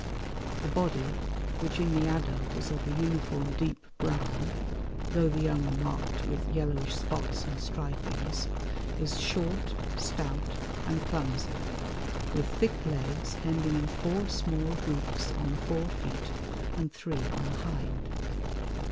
The body, which in the adult is of a uniform deep brown, though the young are marked with yellowish spots and stripings, is short, stout and clumsy, with thick legs ending in four small hoofs on the fore feet and three on the hind.